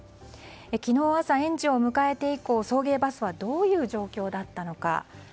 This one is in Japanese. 昨日朝、園児を迎えて以降送迎バスはどういう状況だったのか。